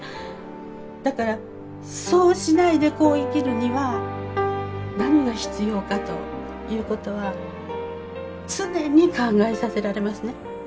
だからそうしないでこう生きるには何が必要かということは常に考えさせられますね。